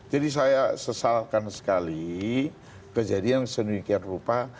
jadi saya sesalkan sekali kejadian sedemikian rupa